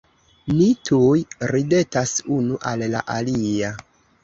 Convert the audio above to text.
Ni tuj ridetas unu al la alia.